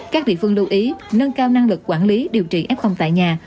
các địa phương lưu ý nâng cao năng lực quản lý điều trị f tại nhà